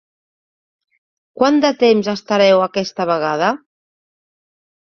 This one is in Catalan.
Quant de temps estareu aquesta vegada?